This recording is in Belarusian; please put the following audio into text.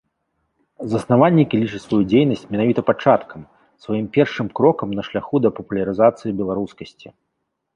Заснавальнікі лічаць сваю дзейнасць менавіта пачаткам, сваім першым крокам на шляху да папулярызацыі беларускасці.